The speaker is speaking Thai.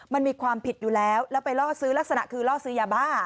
มันมีความผิดอยู่แล้วแล้วไปล่อซื้อลักษณะคือล่อซื้อยาบ้า